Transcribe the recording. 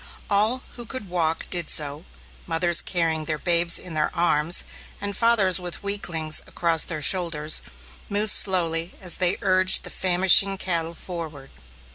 All who could walk did so, mothers carrying their babes in their arms, and fathers with weaklings across their shoulders moved slowly as they urged the famishing cattle forward.